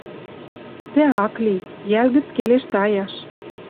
Дӓ ак ли... Йӓл гӹц келеш таяш.